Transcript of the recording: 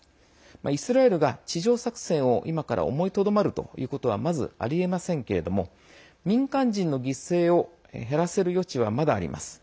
イスラエルが地上作戦を今から思いとどまるということはまずありえませんけれども民間人の犠牲を減らせる余地は、まだあります。